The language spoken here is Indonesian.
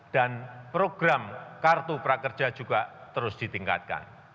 dan program kartu prakerja juga terus ditingkatkan